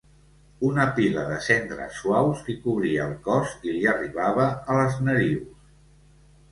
Una pila de cendres suaus li cobria el cos i li arribava a les narius.